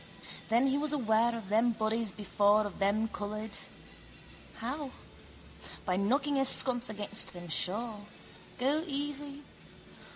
Then he was aware of them bodies before of them coloured. How? By knocking his sconce against them, sure. Go easy.